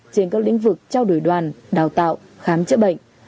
trên các lĩnh vực trao đổi đoàn đào tạo khám chữa bệnh